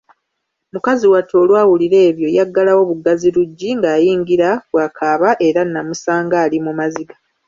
Mukazi wattu olwawulira ebyo yaggalawo buggazi luggi ng'ayingira bw'akaaba era nnamusanga ali mu maziga.